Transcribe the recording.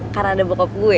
karena ada bokap gue